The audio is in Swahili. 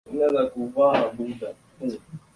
mkataba ulilenga kuwasaidia watu wenye matatizo mbalimbali